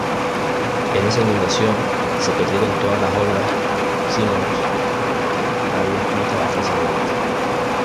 En esa inundación se perdieron todas las obras Simons había escrito hasta ese momento.